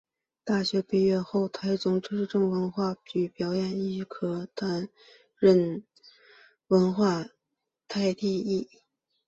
大学毕业后在台中市政府文化局表演艺术科担任文化替代役。